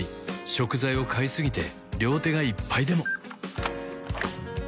食材を買いすぎて両手がいっぱいでも